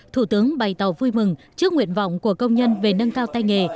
thủ tướng bày tỏ vui mừng trước nguyện vọng của công nhân về nâng cao tay nghề